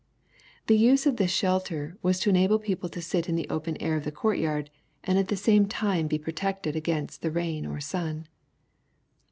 The use of this shelter was to enable people to sit in tne open air of the court yard, and at the same time to be protected against the rain or sun.